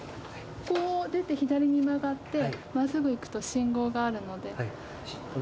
ここを出て左に曲がって真っすぐ行くと信号があるので右に曲がればあります。